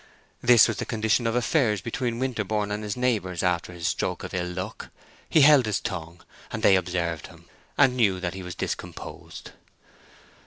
This was the condition of affairs between Winterborne and his neighbors after his stroke of ill luck. He held his tongue; and they observed him, and knew that he was discomposed.